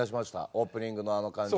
オープニングのあの感じ。